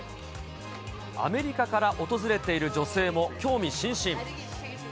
アメリカから訪れている女性も興味津々。